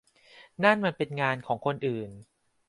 นั่นมันเป็นงานของคนอื่น